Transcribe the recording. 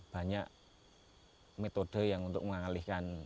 banyak metode yang untuk mengalihkan